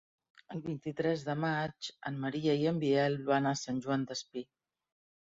El vint-i-tres de maig en Maria i en Biel van a Sant Joan Despí.